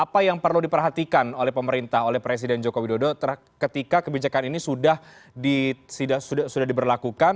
apa yang perlu diperhatikan oleh pemerintah oleh presiden joko widodo ketika kebijakan ini sudah diberlakukan